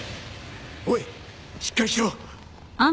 おいしっかりしろ！